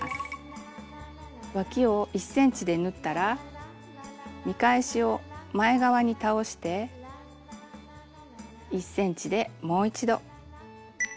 わきを１ｃｍで縫ったら見返しを前側に倒して１ｃｍでもう一度この部分縫います。